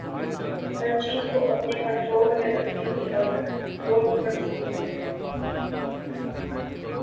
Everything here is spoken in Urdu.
ہر چیز کو اپنے کنٹرول میں رکھنے کی عادت زور پکڑتی گئی ہے۔